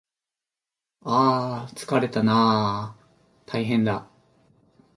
ああああつかれたなああああたいへんだ